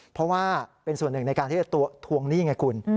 เพราะว่าเป็นส่วนหนึ่งในการที่จะทวงหนี้ไงคุณ